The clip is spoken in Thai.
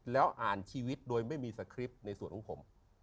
แล้วอ่านชีวิตโดยไม่มีสคริปต์ในส่วนของผม